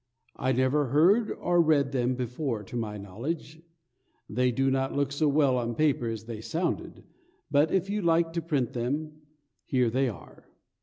I never heard or read them before to my knowledge. They do not look so well on paper as they sounded; but if you like to print them, here they are.